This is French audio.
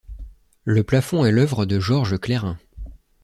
Le plafond est l’œuvre de Georges Clairin.